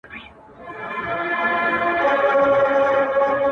زلفي ول ـ ول را ایله دي، زېر لري سره تر لامه,